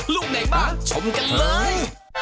ลูกไหนบ้างชมกันเลย